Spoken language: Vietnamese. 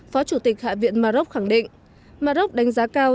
phó chủ tịch hạ viện mà rốc khẳng định mà rốc đánh giá cao